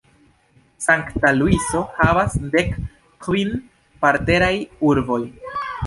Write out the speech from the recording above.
Sankta Luiso havas dek kvin partneraj urboj.